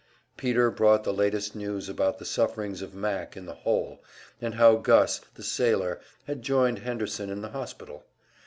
Peter brought the latest news about the sufferings of Mac in the "hole," and how Gus, the sailor, had joined Henderson in the hospital.